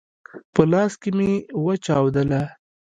په لاس کي مي وچاودله !